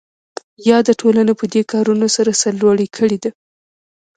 یاده ټولنه پدې کارونو سره سرلوړې کړې ده.